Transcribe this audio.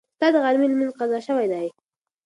ستا د غرمې لمونځ قضا شوی دی.